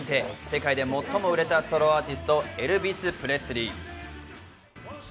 世界で最も売れたソロアーティスト、エルヴィス・プレスリー。